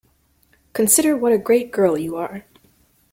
Consider what a great girl you are.